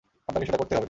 আপনাকে সেটা করতেই হবে!